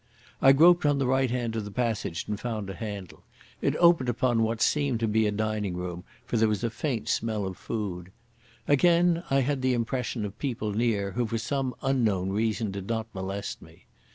I groped on the right hand side of the passage and found a handle. It opened upon what seemed to be a dining room, for there was a faint smell of food. Again I had the impression of people near, who for some unknown reason did not molest me.